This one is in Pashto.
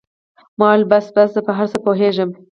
ما وويل بس بس زه په هر څه پوهېږم.